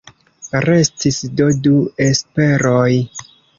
Restis do du esperoj.